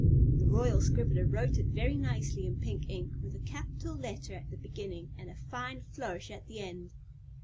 The Royal Scribbler wrote it very nicely in pink ink, with a big capital letter at the beginning and a fine flourish at the end.